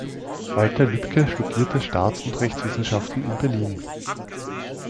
Walter Lübke studierte Staats- und Rechtswissenschaften in Berlin.